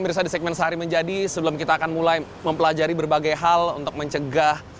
mirsa di segmen sehari menjadi sebelum kita akan mulai mempelajari berbagai hal untuk mencegah